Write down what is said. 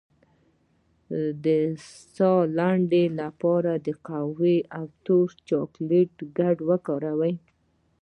د ساه لنډۍ لپاره د قهوې او تور چاکلیټ ګډول وکاروئ